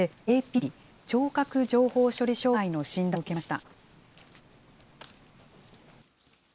この春、初めてＡＰＤ・聴覚情報処理障害の診断を受けました。